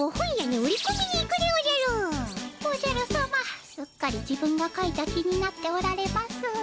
おじゃる様すっかり自分がかいた気になっておられます。